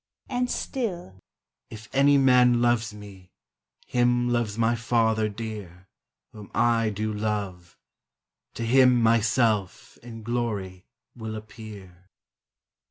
And still: "If any man loves me, Him loves my Father dear, Whom I do love to him myself In glory will appear."